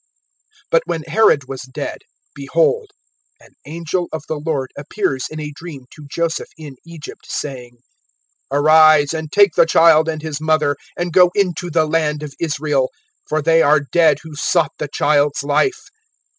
(19)But when Herod was dead, behold, an angel of the Lord appears in a dream to Joseph in Egypt, (20)saying: Arise, and take the child and his mother, and go into the land of Israel; for they are dead who sought the child's life.